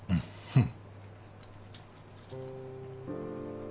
うん。